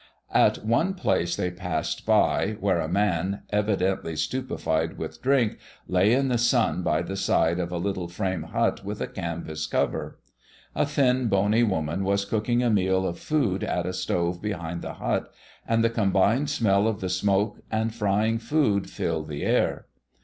At one place they passed by where a man, evidently stupefied with drink, lay in the sun by the side of a little frame hut with a canvas cover. A thin, bony woman was cooking a meal of food at a stove behind the hut, and the combined smell of the smoke and frying food filled the air.